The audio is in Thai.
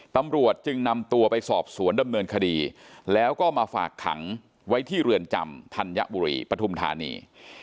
ตำรวจจึงนำตัวไปสอบสวนดำเนินคดีแล้วก็มาฝากขังไว้ที่เรือนจำธัญบุรีปฐุมธานี